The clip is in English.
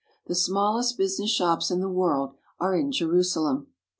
The smallest business shops in the world are in Jerusalem.